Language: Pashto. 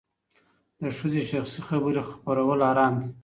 د ښځې شخصي خبرې خپرول حرام دي.